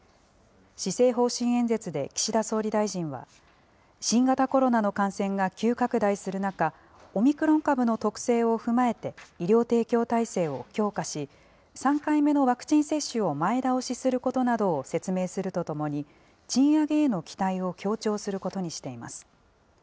施政方針演説で岸田総理大臣は、新型コロナの感染が急拡大する中、オミクロン株の特性を踏まえて医療提供体制を強化し、３回目のワクチン接種を前倒しすることなどを説明するとともに、賃上げへの期待を強調することにしています。